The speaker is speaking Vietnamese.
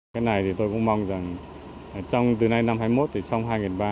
cái này thì tôi cũng mong rằng từ nay năm hai mươi một thì xong hai nghìn ba